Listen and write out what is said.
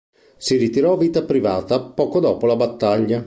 Si ritirò a vita privata poco dopo la battaglia.